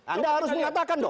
anda harus mengatakan dong